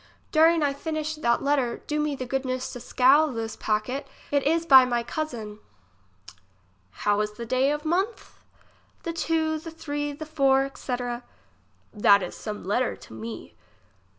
During I finish that letter, do me the goodness to seal this packet ; it is by my cousin. How is the day of month ? The two, the three, the four, etc. That is some letter to me.